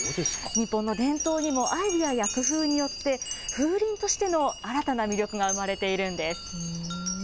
日本の伝統にもアイデアや工夫によって、風鈴としての新たな魅力が生まれているんです。